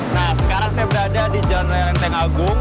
nah sekarang saya berada di jalan raya lenteng agung